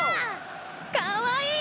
かわいい！